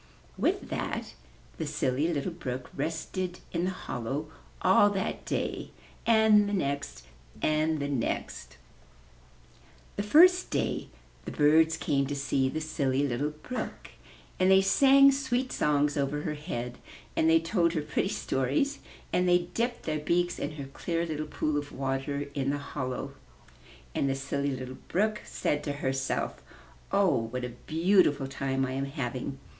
With that the Silly Little Brook rested in the hol low all that day, and the next and the next. 53 MY BOOK HOUSE The first day the birds came to see the Silly Little Brook, and they sang sweet songs over her head and they told her pretty stories, and they dipped their beaks in her clear little pool of water in the hollow. And the Silly Little Brook said to herself, *'0h, what a beautiful time I am having.